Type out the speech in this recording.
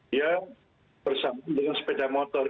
dia bersama dengan sepeda motor